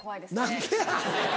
何でや。